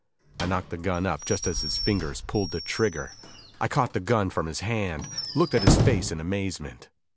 I knocked the gun up just as his finger pulled the trigger. I caught the gun from his hand, looked at his face in amazement.